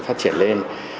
phát triển lên